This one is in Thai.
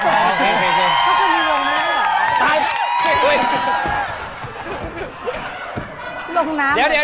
เขาก็มีวงแล้ว